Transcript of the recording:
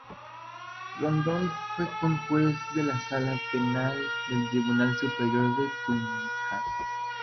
Rondón fue Conjuez de la Sala Penal del Tribunal Superior de Tunja.